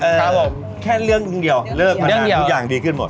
เออแค่เลิกนึงเดียวเลิกพนันทุกอย่างดีขึ้นหมด